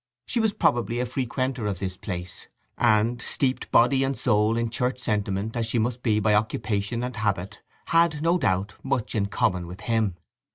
She was probably a frequenter of this place, and, steeped body and soul in church sentiment as she must be by occupation and habit, had, no doubt, much in common with him.